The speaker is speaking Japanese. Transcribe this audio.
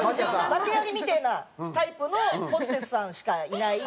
訳ありみてえなタイプのホステスさんしかいない。